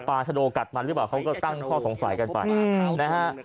ชะโดกัดมันหรือเปล่าเขาก็ตั้งข้อสงสัยกันไปนะฮะ